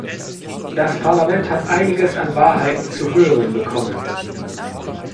Das Parlament hat einiges an Wahrheiten zu hören bekommen.